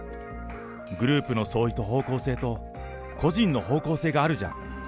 グループの総意と方向性と、個人の方向性があるじゃん。